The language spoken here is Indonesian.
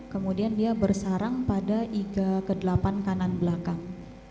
kemudian dia bersarang pada iga kedelapan kanan belakang